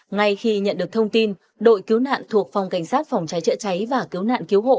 ngay khi nhận được thông tin đội cứu nạn thuộc phòng cảnh sát phòng cháy chữa cháy và cứu nạn cứu hộ